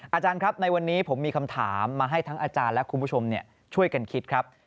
อาจารย์ครับในวันนี้ผมมีคำถามมาให้ทั้งอาจารย์และคุณผู้ชมช่วยกันคิดครับ